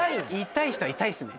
痛い人は痛いっすね。